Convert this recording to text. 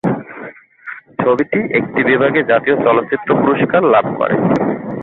ছবিটি একটি বিভাগে জাতীয় চলচ্চিত্র পুরস্কার লাভ করে।